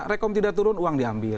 rekom tidak turun uang diambil